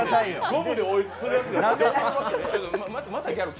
ゴムでおえつするやつ。